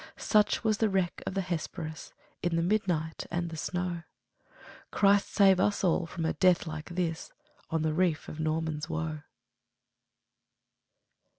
Such was the wreck of the Hesperus, In the midnight and the snow! Christ save us all from a death like this, On the reef of Norman's Woe!